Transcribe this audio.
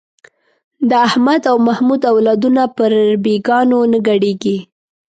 د احمد او محمود اولادونه پر بېګانو نه ګډېږي.